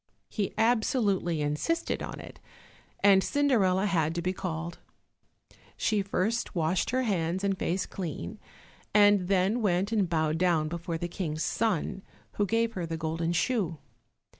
He absolutely insisted on it, and Cinderella had to be called. She first washed her hands and face clean, and then went and bowed down before the King's son, who gave her the golden shoe.